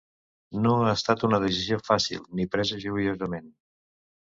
No ha estat una decisió fàcil, ni presa joiosament.